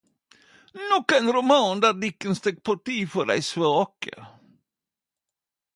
Nok ein roman der Dickens tek parti for dei svake.